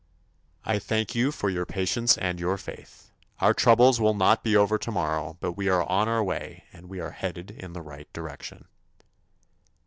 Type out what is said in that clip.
I thank you for your patience and your faith. Our troubles will not be over tomorrow, but we are on our way and we are headed in the right direction.